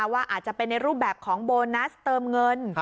ว่าอาจจะเป็นในรูปแบบของโบนัสเติมเงิน